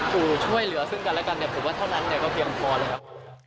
สู่ช่วยเหลือซึ่งกันและกันเนี่ยผมว่าเท่านั้นเนี่ยก็เพียงพอเลยครับ